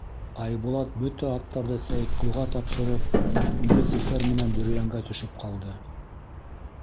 Айбулат, бөтә аттарҙы Сәйетҡолға тапшырып, үҙе Зөфәр менән Бөрйәнгә төшөп ҡалды.